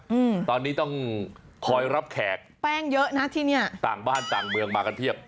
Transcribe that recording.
อืมตอนนี้ต้องคอยรับแขกแป้งเยอะนะที่เนี้ยต่างบ้านต่างเมืองมากันเพียบ